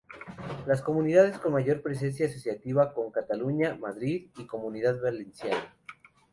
Las comunidades con mayor presencia asociativa con Cataluña, Madrid y Comunidad Valenciana.